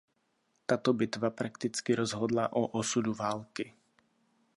Tato bitva prakticky rozhodla o osudu války.